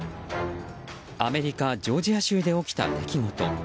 アメリカ・ジョージア州で起きた出来事。